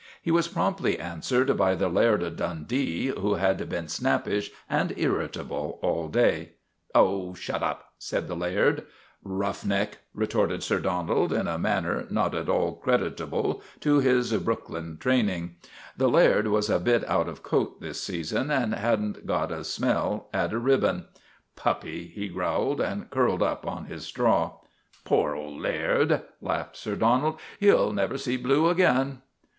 He was promptly answered by the Laird o' Dundee, who had been snappish and irritable all day. " Oh, shut up !" said the Laird. JUSTICE AT VALLEY BROOK 99 " Rough neck !' retorted Sir Donald in a man ner not at all creditable to his Brookline training. The Laird was a bit out of coat this season, and had n't got a smell at a ribbon. " Puppy !' he growled, and curled up on his straw. " Poor old Laird !" laughed Sir Donald. " He '11 never see blue again."